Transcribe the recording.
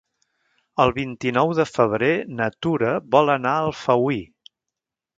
El vint-i-nou de febrer na Tura vol anar a Alfauir.